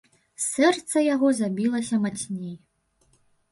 Сэрца яго забілася мацней.